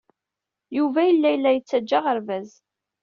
Yuba yella la yettaǧǧa aɣerbaz.